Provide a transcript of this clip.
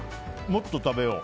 もっと食べよう。